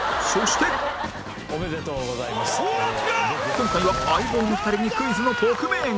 今回は『相棒』の２人にクイズの特命が！